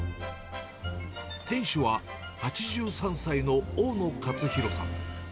店主は、８３歳の大野勝弘さん。